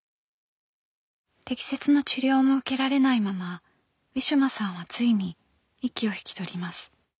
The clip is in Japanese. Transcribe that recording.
適切な治療も受けられないままウィシュマさんはついに息を引き取ります。